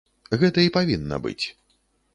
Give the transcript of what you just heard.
Гэта і павінна быць.